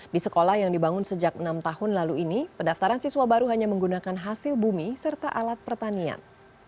di sekolah yang dibangun sejak enam tahun lalu ini pendaftaran siswa baru hanya menggunakan hasil bumi serta alat pertanian